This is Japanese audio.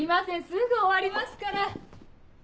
すぐ終わりますから。